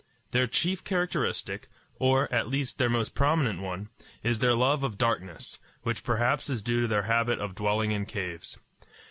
Their chief characteristic, or, at least, their most prominent one, is their love of darkness, which perhaps is due to their habit of dwelling in caves.